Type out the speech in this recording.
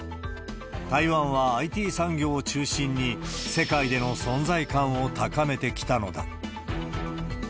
台湾はＩＴ産業を中心に、世界での存在感を高めてきたのだ。